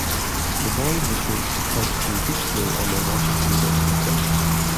The boys were forced to trudge through deep snow on their Washington birthday trip.